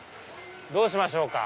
どうしましょうか。